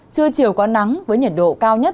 trưa chiều có nắng với nhiệt độ cao nhất